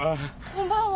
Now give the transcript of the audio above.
こんばんは。